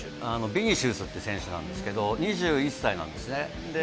ビニシウスっていう選手なんですけど、２１歳なんですね。